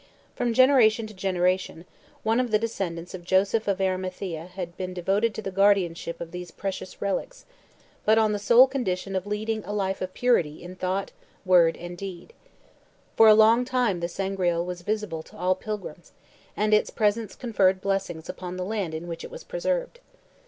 From generation to generation, one of the descendants of Joseph of Arimathea had been devoted to the guardianship of these precious relics; but on the sole condition of leading a life of purity in thought, word, and deed. For a long time the Sangreal was visible to all pilgrims, and its presence conferred blessings upon the land in which it was preserved.